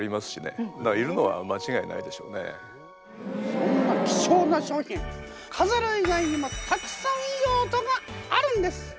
そんな貴重な商品かざる以外にもたくさん用途があるんです！